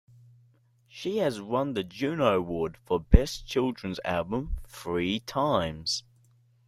She has won the Juno Award for best children's album three times.